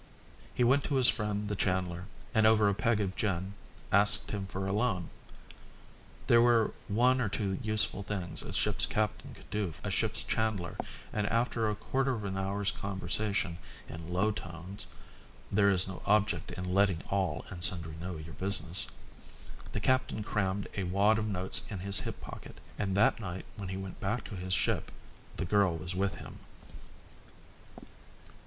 He went to his friend the chandler and over a peg of gin asked him for a loan. There were one or two useful things a ship's captain could do for a ship's chandler, and after a quarter of an hour's conversation in low tones (there is no object in letting all and sundry know your business), the captain crammed a wad of notes in his hip pocket, and that night, when he went back to his ship, the girl went with him.